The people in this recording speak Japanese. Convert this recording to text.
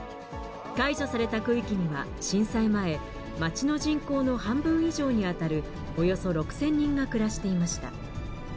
解除された区域には震災前、町の人口の半分以上に当たるおよそ６０００人が暮らしていました。